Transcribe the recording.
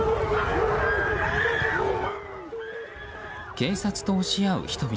警察と押し合う人々。